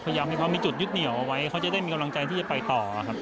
พยายามให้เขามีจุดยึดเหนียวเอาไว้เขาจะได้มีกำลังใจที่จะไปต่อครับ